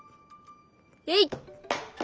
えい！